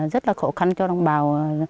rất là khó khăn cho đồng bào